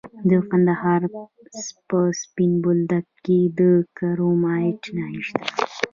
د کندهار په سپین بولدک کې د کرومایټ نښې شته.